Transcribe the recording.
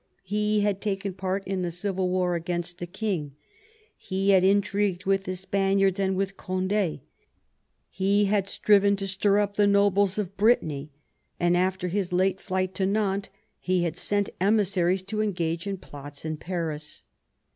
He had taken part in the civil war against the king, he had intrigued with the Spaniards and with Cond^, he had striven to stir up the nobles of 126 MAZARIN ohap. Brittany, and after his late flight to Nantes he had sent emissaries to engage in plots in Paris.